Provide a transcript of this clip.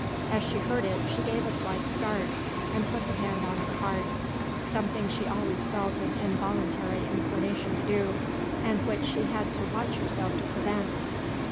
As she heard it, she gave a slight start, and put her hand on her heart something she always felt an involuntary inclination to do, and which she had to watch herself to prevent.